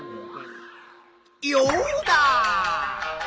ヨウダ！